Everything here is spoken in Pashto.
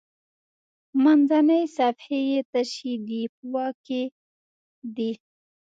منځنۍ صفحې یې تشې دي په واک کې دي.